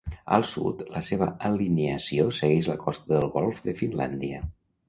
Al sud, la seva alineació segueix la costa del golf de Finlàndia.